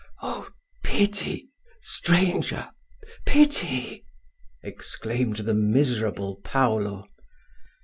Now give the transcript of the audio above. "O pity! stranger, pity!" exclaimed the miserable Paulo.